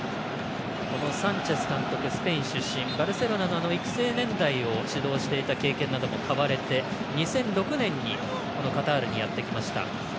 サンチェス監督、スペイン出身バルセロナの育成年代を指導していた経験などを買われて２００６年にカタールにやって来ました。